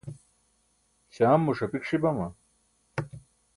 śaamo ṣapik ṣi bama?